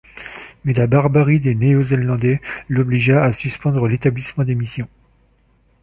Mais la barbarie des Néo-Zélandais l’obligea à suspendre l’établissement des missions.